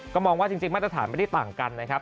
ก็มองว่าจริงมาตรฐานไม่ได้ต่างกันนะครับ